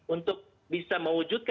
untuk bisa mewujudkan apa yang diperlukan